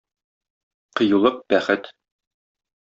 Кыюлык — бәхет.